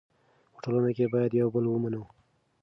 په ټولنه کې باید یو بل ومنو.